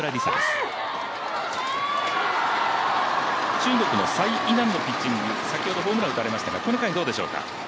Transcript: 中国の柴イ楠のピッチング先ほどホームラン打たれましたがどうでしょうか。